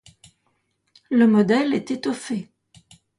Le modèle est étoffé.